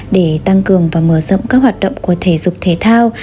để tăng cường và mở rộng các hoạt động của thể dục thể thao